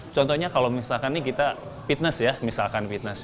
contohnya kalau misalkan ini kita fitness ya misalkan fitness